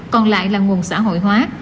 còn lại là nguồn xã hội hóa